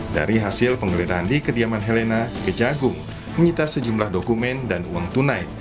dari hasil penggeledahan di kediaman helena kejagung menyita sejumlah dokumen dan uang tunai